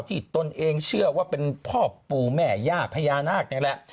ตนเองเชื่อว่าเป็นพ่อปู่แม่ย่าพญานาคนี่แหละ